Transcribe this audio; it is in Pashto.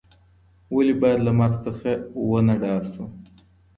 ولي باید له مرګ څخه ونه ډار سو؟